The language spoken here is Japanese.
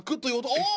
おっ！